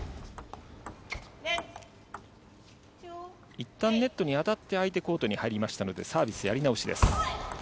いったん、ネットに当たって相手コートに入りましたので、サービスやり直しです。